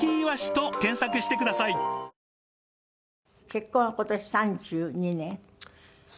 結婚は今年３２年？